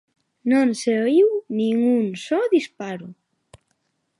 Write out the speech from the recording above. Non se oíu nin un só disparo.